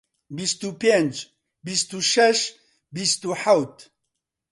بیست و پێنج، بیست و شەش، بیست و حەوت